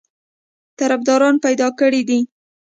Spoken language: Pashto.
طرفداران پیدا کړي دي.